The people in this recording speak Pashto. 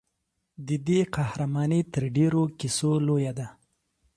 د دې قهرماني تر ډېرو کیسو لویه ده.